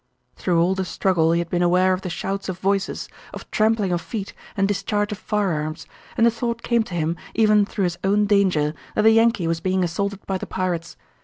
Through all the struggle he had been aware of the shouts of voices, of trampling of feet and discharge of firearms, and the thought came to him, even through his own danger, that the Yankee was being assaulted by the pirates.